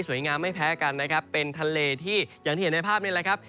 งามไม่แพ้กันนะครับเป็นทะเลที่อย่างที่เห็นในภาพนี้แหละครับ